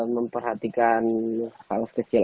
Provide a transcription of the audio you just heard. memperhatikan hal kecil